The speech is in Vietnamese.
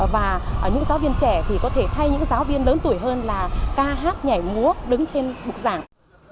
và những giáo viên trẻ thì có thể thay những giáo viên lớn tuổi hơn là ca hát nhảy múa đứng trên bục giảng